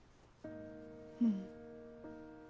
うん。